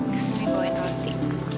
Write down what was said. kesini bawain roti